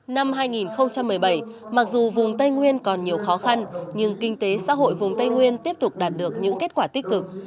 năm hai nghìn một mươi bảy mặc dù vùng tây nguyên còn nhiều khó khăn nhưng kinh tế xã hội vùng tây nguyên tiếp tục đạt được những kết quả tích cực